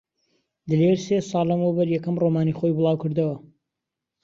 دلێر سێ ساڵ لەمەوبەر یەکەم ڕۆمانی خۆی بڵاو کردەوە.